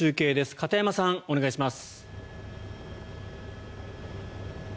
片山さん、お願いします。